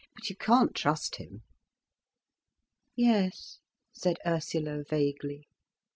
But you can't trust him." "Yes," said Ursula vaguely.